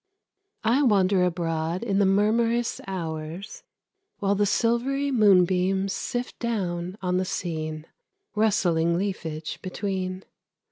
I wander abroad in the murmurous hours, While the silvery moonbeams sift down on the scene, Rustling leafage between.